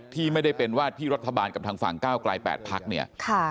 ที่ไม่ได้เป็นวาดที่รัฐบาลกับทางฝั่งก้าวไกล๘พักเนี่ย